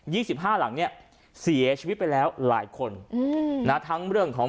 สิบห้าหลังเนี้ยเสียชีวิตไปแล้วหลายคนอืมนะทั้งเรื่องของ